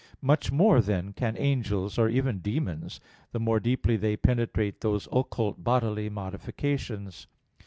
Much more then can angels, or even demons, the more deeply they penetrate those occult bodily modifications.